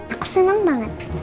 aku seneng banget